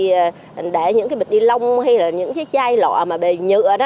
mình để những cái bịch đi lông hay là những cái chai lọ mà bề nhựa đó